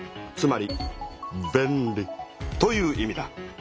つまり便利という意味だ。